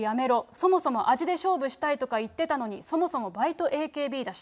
そもそも味で勝負したいとか言ってたのに、そもそもバイトＡＫＢだし。